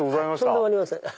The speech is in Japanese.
とんでもありません。